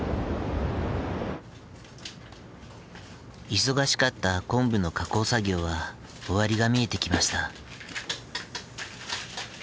忙しかったコンブの加工作業は終わりが見えてきました。